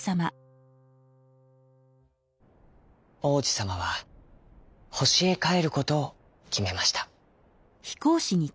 王子さまは星へかえることをきめました。